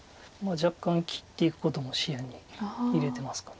若干切っていくことも視野に入れてますか。